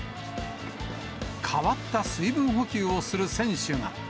変わった水分補給をする選手が。